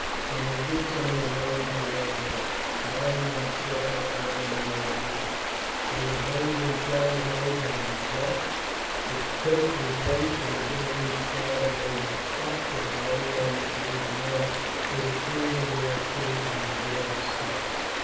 When they did so the ladies were all dead, lying in a circle round Boadicea. They were buried in the shallow holes that had been dug, the turf replaced, and dead leaves scattered over the spot, so that no Roman should ever know where the queen of the Iceni and her daughters slept.